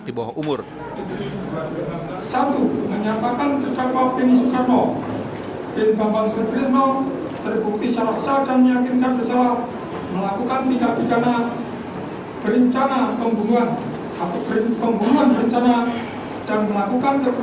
ketiga korban dihabisi terdakwa di rumahnya di kelurahan bangselok sumeneb